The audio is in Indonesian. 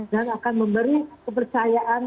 dan akan memberi kepercayaan